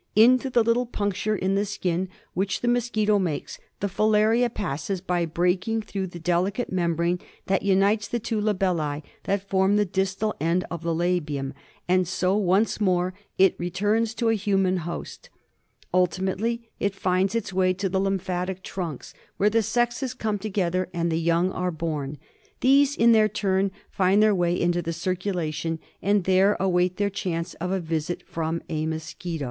Into the little puncture in the skin which the mosquito makes the filaria passes by breaking through the delicate membrane that unites the two labellse that form the distal end of the labium, and so once more it returns to a human host. , Ultimately it finds its way to the lymphatic trunks where FILARIASrS. , the sexes come together and the young are born. These ' in their turn find their way into the circulation, and there await their chance of a visit from the mosquito.